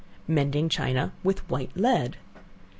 Mending China with White Lead.